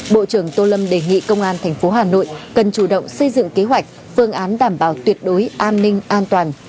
bộ trưởng tô lâm đề nghị công an tp hà nội cần chủ động xây dựng kế hoạch phương án đảm bảo tuyệt đối an ninh an toàn